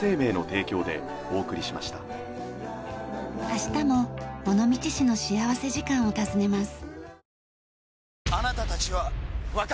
明日も尾道市の幸福時間を訪ねます。